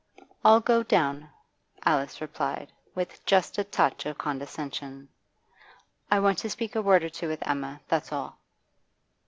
'I'll go down,' Alice replied, with just a touch of condescension. 'I want to speak a word or two with Emma, that's all.